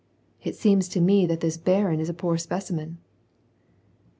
It seems to me that this baron is a poor specimen."